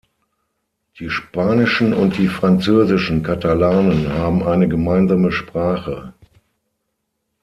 Die spanischen und die französischen Katalanen haben eine gemeinsame Sprache.